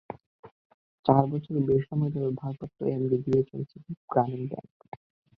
চার বছরের বেশি সময় ধরে ভারপ্রাপ্ত এমডি দিয়েই চলছে গ্রামীণ ব্যাংক।